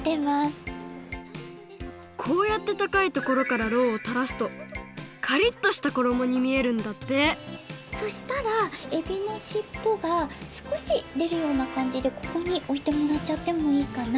こうやってたかいところからろうをたらすとカリッとしたころもにみえるんだってそしたらえびのしっぽがすこしでるようなかんじでここにおいてもらっちゃってもいいかな。